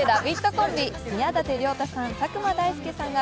コンビ、宮舘涼太さん、佐久間大介さんが